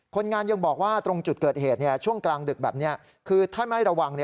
คนงานยังบอกว่าตรงจุดเกิดเหตุช่วงกลางดึกแบบนี้คือถ้าไม่ระวัง